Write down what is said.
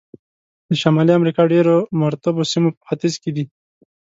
د شمالي امریکا ډېر مرطوبو سیمې په ختیځ کې دي.